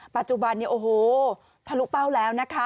ปัจจุบันเนี่ยโอ้โหทะลุเป้าแล้วนะคะ